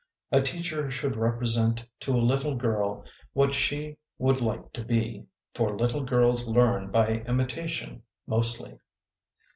A teacher should represent to a little girl what she would like to be, for little girls learn by imitation mostly.